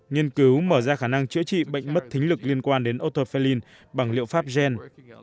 nghiên cứu mở ra khả năng chữa trị bệnh mất thính lực liên quan đến otofelin bằng liệu pháp gen